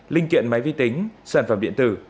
linh kiện máy vi tính sản phẩm điện tử